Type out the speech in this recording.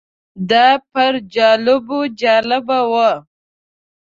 دا پر جالبو جالبه وه.